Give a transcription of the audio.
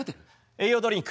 栄養ドリンク。